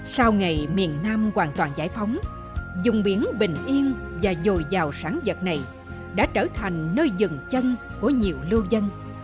sau ngày miền nam hoàn toàn giải phóng dùng biển bình yên và dồi dào sáng dật này đã trở thành nơi dừng chân của nhiều lưu dân